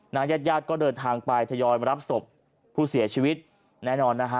ญาติญาติก็เดินทางไปทยอยมารับศพผู้เสียชีวิตแน่นอนนะฮะ